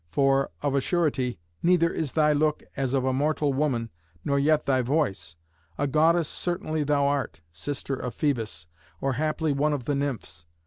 for, of a surety, neither is thy look as of a mortal woman, nor yet thy voice. A goddess certainly thou art, sister of Phœbus, or, haply, one of the nymphs.